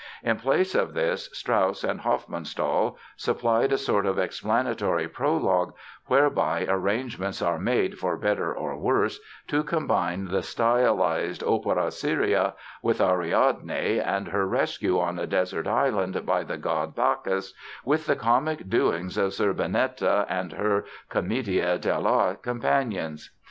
In place of this Strauss and Hofmannsthal supplied a sort of explanatory prologue whereby arrangements are made for better or worse to combine the stylized opera seria about Ariadne and her rescue on a desert island by the god Bacchus, with the comic doings of Zerbinetta and her commedia del arte companions.